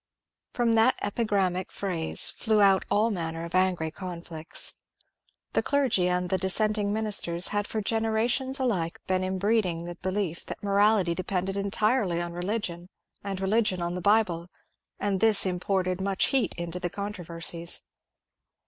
From that epigrammatic phrase flew out all manner of angry conflicts. The clergy and the dissenting ministers had for generations alike been im breeding the belief that morality depended entirely on religion and religion on the Bible, and this imported much heat into the controversies.